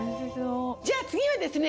じゃあ次はですね